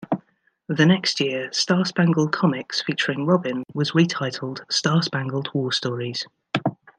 The next year "Star Spangled Comics", featuring Robin, was retitled "Star Spangled War Stories".